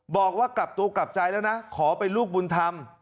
บอกว่ากลับตัวกลับใจแล้วนะขอเป็นลูกบุญธรรม